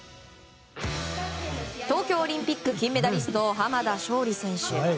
東京オリンピック金メダリストの濱田尚里選手。